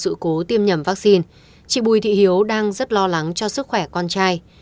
trước khi chị thu đã bị tiêm nhầm vaccine chị bùi thị hiếu đang rất lo lắng cho sức khỏe con trai